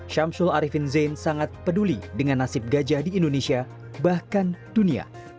syamsul arifin zain sangat peduli dengan nasib gajah di indonesia bahkan dunia